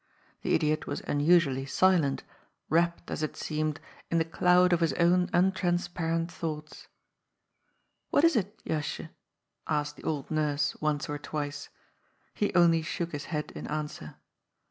The idiot was unusually silent, wrapped, as it seemed, in the cloud of his own untransparent thoughts. ^' What is it, Jasje ?" asked the old nurse once or twice. He only shook his head in answer.